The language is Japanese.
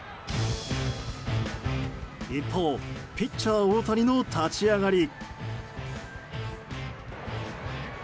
一方、ピッチャー大谷の立ち上がり。